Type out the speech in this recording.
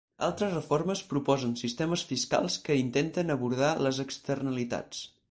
Altres reformes proposen sistemes fiscals que intenten abordar les externalitats.